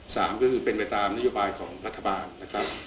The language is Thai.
สามก็คือเป็นไปตามนโยบายของรัฐบาลนะครับ